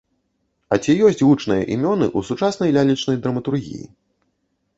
А ці ёсць гучныя імёны ў сучаснай лялечнай драматургіі?